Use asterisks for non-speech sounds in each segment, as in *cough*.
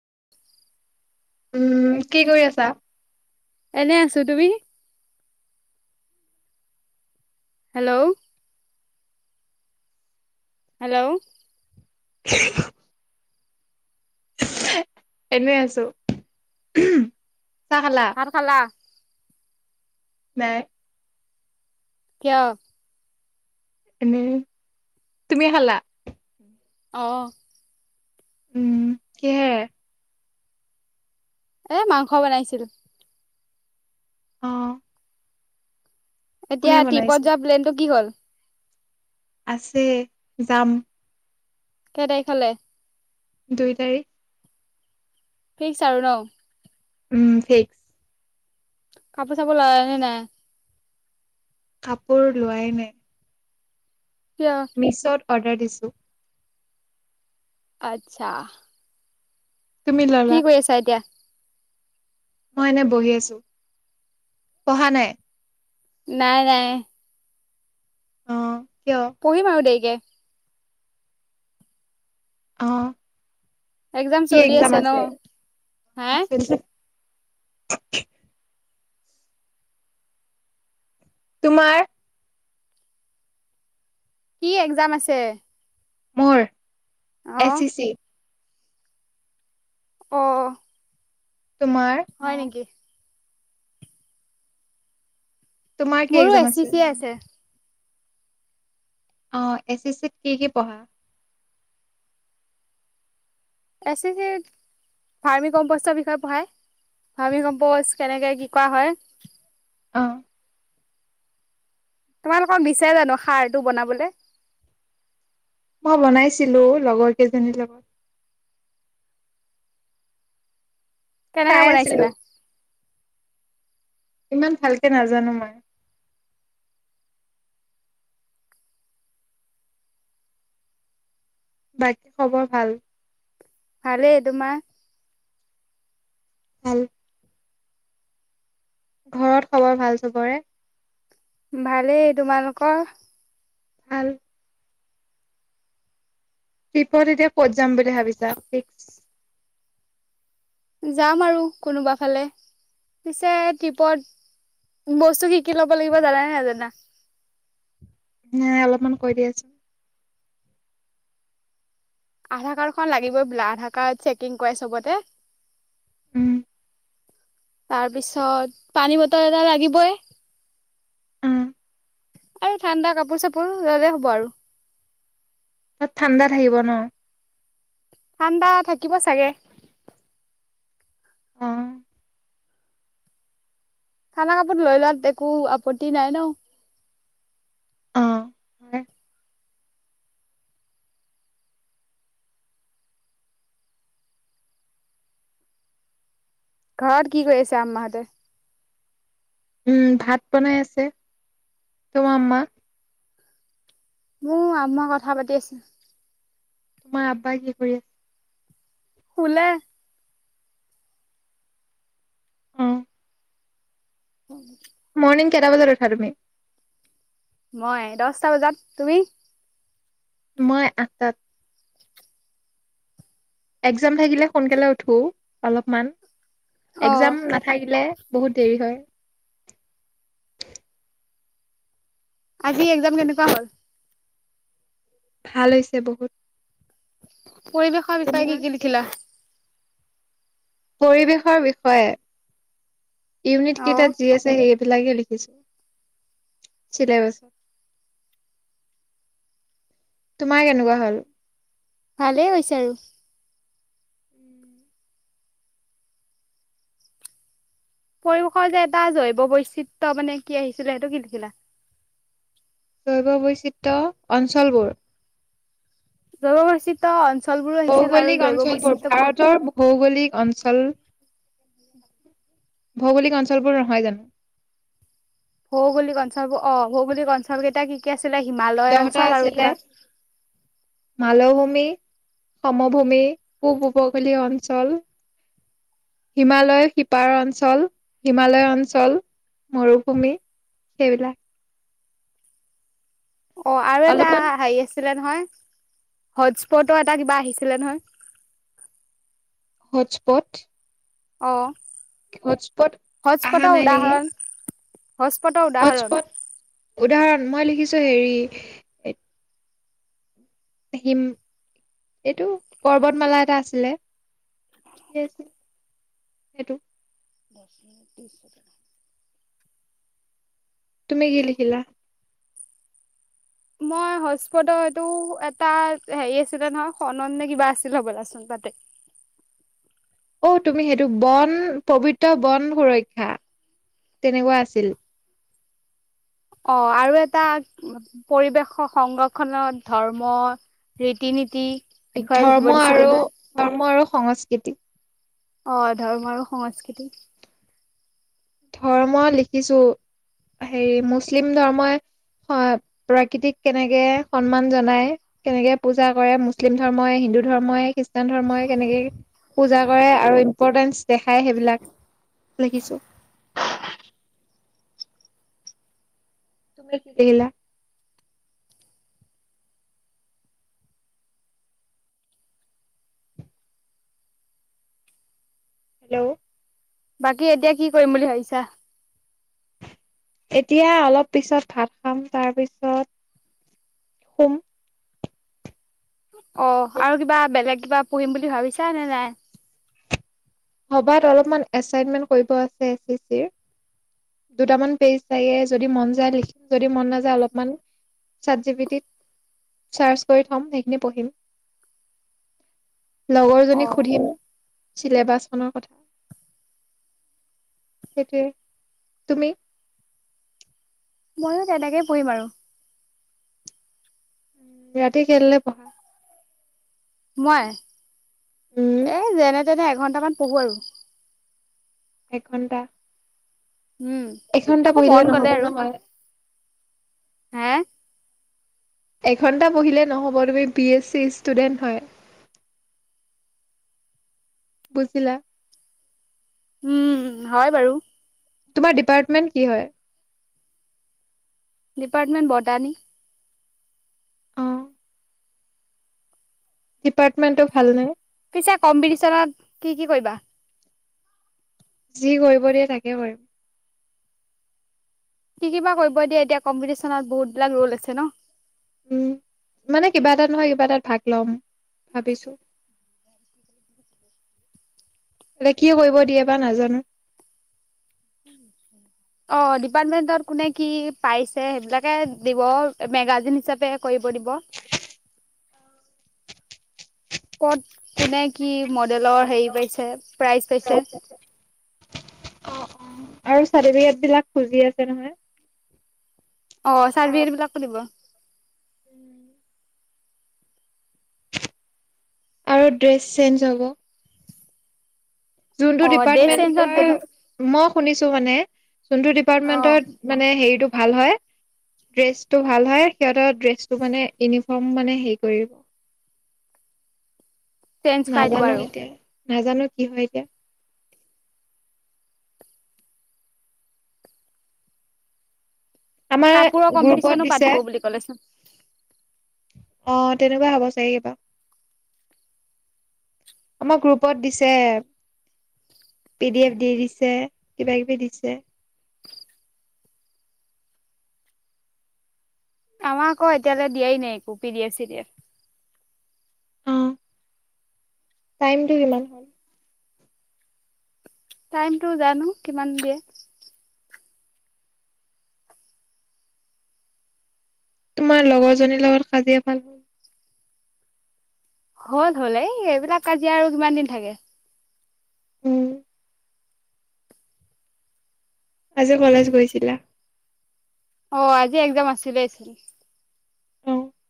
*unintelligible* উম কি কৰি আছা? এনে আছো তুমি। Hello hello. এনে আছো। চাহ খালা? ভাত খালা। নাই। কিয়? এনে তুমি খালা? অ'। উম, কিহে? এ মাংস বনাইছিল। অ এতিয়া কোনে ট্ৰিপত বনাইছে? যোৱা প্লেনটো কি হ'ল? আছে যাম। কেই তাৰিখলে? দুই তাৰিখ। *unintelligible* ছ আৰু ন উম ফিক্স। কাপোৰ চাপোৰ ললা নে নাই? কাপোৰ লোৱাই নাই। কিয় মিছত। অৰ্ডাৰ দিছোঁ, আচ্ছা। তুমি ললা? কি কৰি আছা এতিয়া? মই এনে বহি আছো, পঢ়া নাই। নাই নাই। অ'। কিয়? পঢ়িম আৰু দেইকে। আহ। এক্জাম চলি আছে ন', হা। অ চলিছে। *inaudible* তোমাৰ? কি এক্জাম আছে? মোৰ। অ এ ছি চি। অ'। তোমাৰ? হয় নেকি? তোমাৰ কি মোৰো এক্জাম এ চি চিয়ে আছে। অ এছ এছ চিত কি কি পঢ়া? এছ চি চি ভাৰ্মি কম্পষ্টৰ বিষয়ে পঢ়ায় ফাৰ্মি কম্পজ কেনেকে কি কৰা হয়। অঁ। তোমালোকক দিছে জানো সাৰটো বনাবলে? মই বনাইছিলো লগৰ কেইজনীৰ লগত। কেনেকে চাই আছিলো বনাইছিলা? ইমান ভালকে নাজানো মই। বাকী খবৰ ভাল? ভালেই তোমাৰ। ভাল। ঘৰত খবৰ ভাল চবৰে। ভালেই তোমালোকৰ? ভাল। টিপত এতিয়া ক'ত যাম বুলি ভাবিছা ফিক্স। যাম আৰু কোনোবা ফালে, পিছে ট্ৰিপত বস্তু কি কি ল'ব লাগিব জানানে নাজানা? নাই অলপমান কৈ দিয়াচোন? আধাৰ কাৰ্ডখন লাগিবই বোলে আধাৰ কাৰ্ড চেকিং কৰে চবতে। উম। তাৰ পিছত পানী বটল এটা লাগিবই। অ আৰু ঠাণ্ডা কাপোৰ চাপোৰ। পু ল'লে হ'ব আৰু। তাত ঠাণ্ডা থাকিব ন' ঠাণ্ডা থাকিব চাগে। অ ঠাণ্ডা কাপোৰ লৈ লোৱাত একো আপত্তি নাই ন' অ' ঘৰত কি কৰি আছে আম্মা হতে। উম ভাত বনাই আছে তোমাৰ আম্মা মই কথা পাতি আছো। তোমাৰ আব্বাই কি কৰি আছে শুলে অ অ মৰ্ণিং কেইটা বজাত উঠা তুমি মই দহটা বজাত তুমি মই আঠটাত একজাম থাকিলে সোনকালে উঠো অলপমান অ একজাম নাথাকিলে বহুত দেৰি হয় আজি এক্সাম কেনেকুৱা হল ভাল হৈছে বহুত পৰিৱেশৰ বিষয়ে তোমাৰ কি কি লিখিলা পৰিৱেশৰ বিষয়ে ইউনিট অ কেইটাত যি আছে সেই বিলাকে লিখিম। চ' তোমাৰ কেনেকুৱা হ'ল? ভালেই হৈছে আৰু পৰিৱেশৰ যে এটা জৈৱ-বৈচিত্ৰয় মানে কি আহিছিলে, সেইটো কি লিখিলা? জৈৱ-বৈচিত্ৰ অঞ্চলবোৰ জৈৱ বৈচিত্ৰ্য। ভৌগলিক অঞ্চলবোৰ, ভাৰতৰ ভৌগলিক অঞ্চল ভৌগোলিক অঞ্চলবোৰ নহয় জানো। ভৌগোলিক অঞ্চলবোৰ অ' ভৌগোলিক অঞ্চল কেইটা কি, কি আ দহটা আছিলে মালভূমি সমভূমি পূব উপকূলীয় অঞ্চল, হিমালয় সিপাৰ অঞ্চল, হিমালয় অঞ্চল, মৰুভূমি সেইবিলাক। অ' আৰু এটা অলপমান হেৰি আছিলে নহয়, হটস্পট এটা কিবা আহিছিলে নহয়। হজপট অ',। হটস্পট আহা হটস্পটৰ নাই নেকি? উদাহৰণ হটস্পটৰ উদাহৰণ। হটস্পট উদাহৰণ মই লিখিছো হেৰি হিম এইটো পৰ্বতমালা এটা আছিলে আ সেইটো। *inaudible* তুমি কি লিখিলা? মই হটস্পট এইটো এটা হেৰি আছিলে নহয়, খনন নে কিবা আছিলে ব'লাচোন তাতে। অ' তুমি সেইটো বন, পবিত্ৰ বন সুৰক্ষা তেনেকুৱা আছিল। অ', আৰু এটা পৰিৱেশ সংৰক্ষণত ধৰ্ম, ৰীতি-নীতি। ধৰ্ম আৰু ধৰ্ম আৰু সংস্কৃতি। অ', ধৰ্ম আৰু সংস্কৃতি। ধৰ্ম লিখিছো হেৰি মুছলিম ধৰ্মই প্ৰকৃতিক কেনেকে সন্মান জনায়, কেনেকে পূজা কৰে, মুছলিম ধৰ্মই, হিন্দু ধৰ্মই, খ্ৰীষ্টান ধৰ্মই কেনেকে পূজা কৰে আৰু ইম্পৰ্টেঞ্চ দেখায় সেইবিলাক, লিখিছো। তুমি কি লিখিলা? হেল্ল'। বাকী এতিয়া কি কৰিম বুলি ভাবিছা? এতিয়া অলপ পিছত ভাত খাম তাৰপিছত শুম। অ', আৰু কিবা বেলেগ। কিবা পঢ়িম বুলি ভাবিছা নে নাই? ভবাত অলপমান এছাইনমেন্ট কৰিব আছে এচিচিৰ, দুটামান পেজ লাগে, যদি মন যায় লিখিম, যদি মন নাযায় অলপমান চাটজিপিতিত চাৰ্জ কৰি থম, সেইখিনি পঢ়িম। অ লগৰজনীক সুধিম। চিলেবাজ। *unintelligible* সেইটোৱে, তুমি? ময়ো তেনেকেই পঢ়িম আৰু। উ ৰাতি কেইটালে পঢ়া? মই? উম এ যেনে তেনে এঘন্টামান পঢ়ো আৰু। এঘণ্টা। উম, তাকো মন গ'লে আৰু, নহয় হে। এঘন্টা পঢ়িলে নহ'ব তুমি বি এছ চিৰ ষ্টুডেন্ট হয়, বুজিলা। উম, হয় বাৰু। তোমাৰ ডিপাৰ্টমেণ্ট কি হয়। ডিপাৰ্টমেণ্ট ব টা নি। অ ডিপাৰ্টমেন্টো ভাল নে। পিছে কম্পিটিচনত কি-কি কৰিবা। যি কৰিব দিয়ে তাকে কৰিম। কি কিবা কৰিব দিয়ে এতিয়া কম্পিটিচনত বহুত বিলাক ৰ'ল আছে ন। উম, মানে কিবা এটাত নহয় কিবা এটাত ভাগ ল'ম ভাবিছো, এতিয়া কি কৰিব দিয়ে বা নাজানো। অ', ডিপাৰ্টমেন্টত কোনে কি পাইছে সেইবিলাকে দিব মেগাজিন হিচাপে কৰিব দিব। ক'ত কোনে কি মডেলৰ হেৰি পাইছে প্ৰাইজ পাইছে। আৰু চাৰ্টিফিকেট বিলাক খুজি আছে নহয়। অঁ চাৰ্তিফিকেট বিলাকো দিব। উম। আৰু ড্ৰেছ চেঞ্জ হ'ব। যোনটো অ ডে চেঞ্জত যেনো ডিপাৰ্টমেন্টৰ ম শুনিছো মানে। যোনটো অ ডিপাৰ্টমেন্টত মানে হেৰিটো ভাল হয় ড্ৰেছটো ভাল হয়, সিহঁতৰ ড্ৰেছটো মানে ইউনিফৰ্ম মানে হেৰি কৰি চেঞ্জ কৰাই দিব আৰু। নাজানো কি হয় *unintelligible* আমাৰ কাপোৰৰ গ্ৰুপত কম্পিটিচনো দিছে, পাতিব বুলি ক'লেচোন। অঁ তেনেকুৱা হ'ব চাগে কিবা, আমাৰ গ্ৰুপত দিছে, পি ডি এফ দি দিছে কিবা কিবি দিছে। আমাৰ আকৌ এতিয়ালৈ দিয়াই নাই একো, পি ডি এফ চি দি এফ। টাইমটো কিমান হ'ল টাইমটো জানো কিমান দিয়ে। তোমাৰ লগৰ জনীৰ লগত কাজিয়া ভাল হ'ল। হ'ল- হ'ল এই এইবিলাক কাজিয়া আৰু কিমান দিন থাকে। উম। আজি কলেজ গৈছিলা। অঁ আজি এক্সাম আছিলে চ অ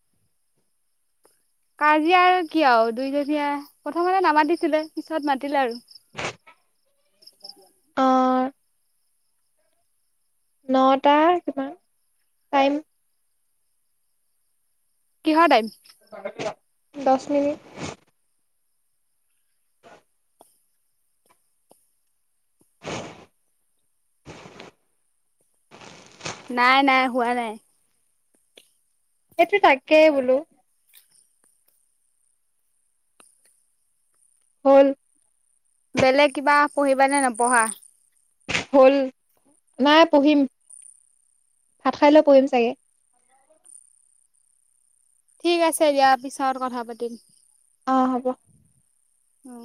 কাজিয়া আৰু কি আৰু দুইদিনীয়া, প্ৰথমতে নামাতিছিলে পিছত মাতিল আৰু। নটা কিমান টাইম কিহৰ টাইম। দচ মিনিট। নাই-নাই হোৱা নাই। এইটো তাকে বোলো। হ'ল। বেলেগ কিবা পঢ়িবানে নপঢ়া? হ'ল, নাই পঢ়িম। ভাত খাই লৈ পঢ়িম চাগে। ঠিক আছে দিয়া, পিছত কথা পাতিম। অ', হ'ব। উম।